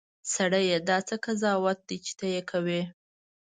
سړیه! دا څه قضاوت دی چې ته یې کوې.